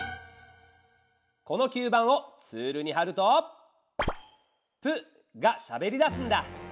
この吸盤をツールにはると「プ」がしゃべりだすんだ。